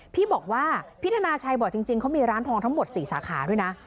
พี่บอกว่าพี่ธนาชัยบอกจริงเขามีร้านทองทั้งหมด๔สาขาด้วยนะ